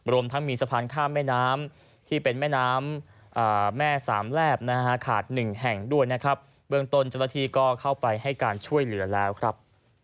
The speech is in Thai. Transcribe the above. รวมทั้งมีสะพานข้ามแม่น้ำที่เป็นแม่น้ำแม่สามแลบนะฮะขาดหนึ่งแห่งด้วยนะครับเบื้องต้นเจ้าหน้าที่ก็เข้าไปให้การช่วยเหลือแล้วครับ